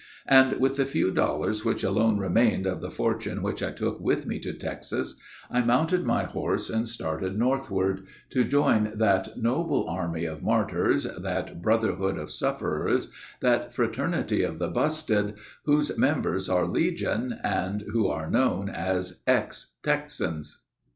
And, with the few dollars which alone remained of the fortune which I took with me to Texas, I mounted my horse and started northward, to join that noble army of martyrs, that brotherhood of sufferers, that fraternity of the busted, whose members are legion, and who are known as 'Ex Texans.'"